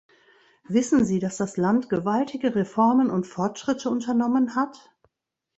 Wissen Sie, dass das Land gewaltige Reformen und Fortschritte unternommen hat?